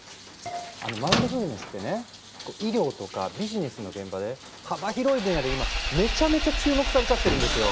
あのマインドフルネスってね医療とかビジネスの現場で幅広い分野で今めちゃめちゃ注目されちゃってるんですよ。